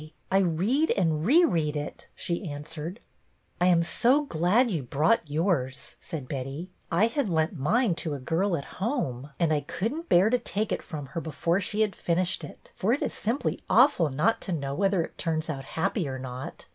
I read and reread it," she answered. I am so glad you brought yours," said Betty. " I had lent mine to a girl at home. 8o BETTY BAIRD and I could n't bear to take it from her before she had finished it, for it is simply awful not to know whether it turns out happy or not.